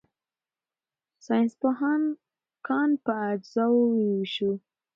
ساینسپوهانو کان په اجزاوو وویشو.